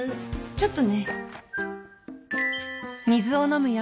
ちょっとね。